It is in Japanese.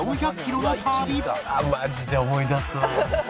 マジで思い出すわ。